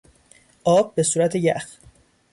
آب به صورت یخ